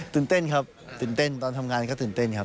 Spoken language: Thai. ตื่นเต้นครับตื่นเต้นตอนทำงานก็ตื่นเต้นครับ